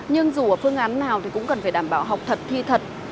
nhưng dù ở phương án nào thì cũng cần phải đảm bảo học thật thi thật